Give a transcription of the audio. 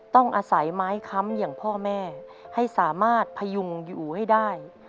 ต้องอาศัยไม้ค้ำอย่างพ่อแม่ให้สามารถพยุงอยู่ให้ได้